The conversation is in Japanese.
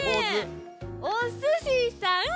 「おすしさん」。